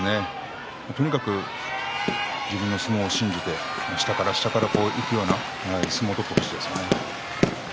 とにかく自分の相撲を信じて下から下からいくような相撲を取ってほしいですね。